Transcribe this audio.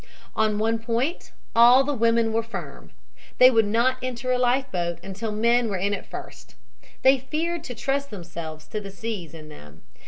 "On one point all the women were firm. They would not enter a Life boat until men were in it first. They feared to trust themselves to the seas in them.